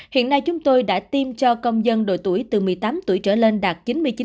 hiện nay chúng tôi đã tiêm cho công dân độ tuổi từ một mươi tám tuổi trở lên đạt chín mươi chín